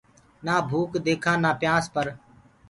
نآ ڀوڪَ ديکانٚ نآ پيآنٚس پر